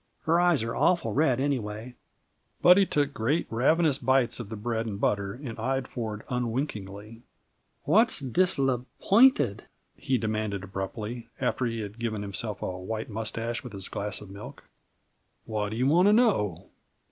Her eyes are awful red, anyway." Buddy took great, ravenous bites of the bread and butter and eyed Ford unwinkingly. "What's disslepointed?" he demanded abruptly, after he had given himself a white mustache with his glass of milk. "Why do you want to know?"